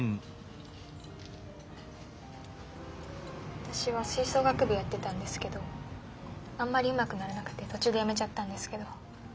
私は吹奏楽部やってたんですけどあんまりうまくならなくて途中でやめちゃったんですけど。